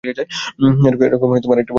এরকম আরেকটা বদমাশি করতে চাই।